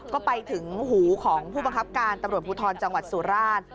ก็ไปถึงหูของผู้บังคับการตำรวจภูทรจังหวัดสุราช